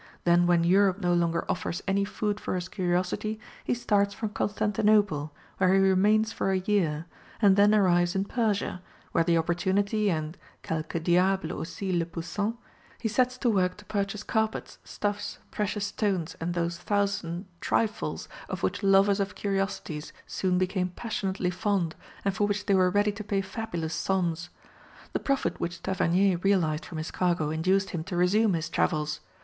Then when Europe no longer offers any food for his curiosity, he starts for Constantinople, where he remains for a year, and then arrives in Persia, where the opportunity and Quelque diable, aussi, le poussant, he sets to work to purchase carpets, stuffs, precious stones, and those thousand trifles of which lovers of curiosities soon became passionately fond, and for which they were ready to pay fabulous sums. The profit which Tavernier realized from his cargo induced him to resume his travels.